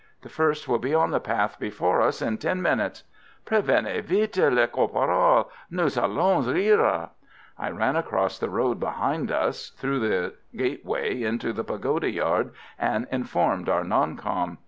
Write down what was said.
The first will be on the path before us in ten minutes. Prévenez vite le caporal Nous allons rire!" I ran across the road behind us, through the gateway into the pagoda yard, and informed our "non com."